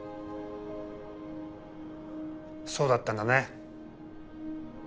そうだったんだね。